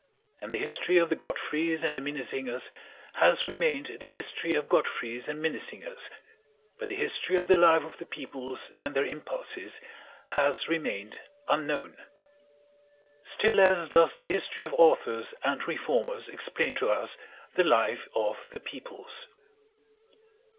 And the history of the Godfreys and the Minnesingers has remained the history of Godfreys and Minnesingers, but the history of the life of the peoples and their impulses has remained unknown. Still less does the history of authors and reformers explain to us the life of the peoples.